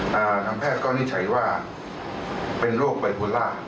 ทางแพทย์ก็วินิจฉัยว่าเป็นโรคไบโพลา